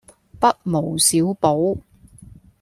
不無小補